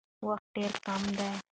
وخت ډېر کم دی.